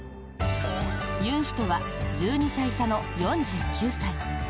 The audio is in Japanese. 尹氏とは１２歳差の４９歳。